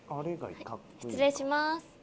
失礼します。